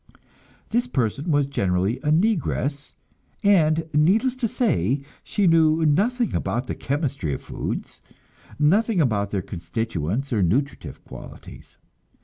This person was generally a negress, and, needless to say, she knew nothing about the chemistry of foods, nothing about their constituents or nutritive qualities.